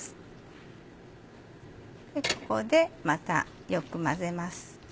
ここでまたよく混ぜます。